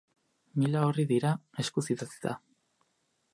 Mila orri dira, eskuz idatzita.